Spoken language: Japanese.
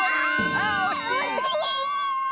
あっおしい！